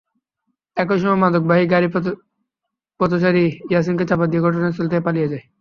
একই সময় মাদকবাহী গাড়ি পথচারী ইয়াছিনকে চাপা দিয়ে ঘটনাস্থল থেকে পালিয়ে যায়।